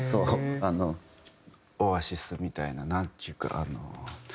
オアシスみたいななんちゅうかあの。